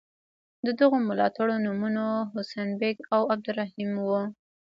د دغو ملاتړو نومونه حسین بېګ او عبدالرحیم وو.